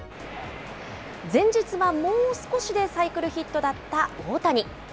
前日はもう少しでサイクルヒットだった大谷。